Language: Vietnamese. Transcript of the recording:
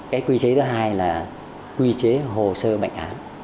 cái quy chế thứ hai là quy chế hồ sơ bệnh án